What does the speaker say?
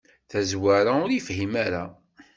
Tazwara ur yefhim ara.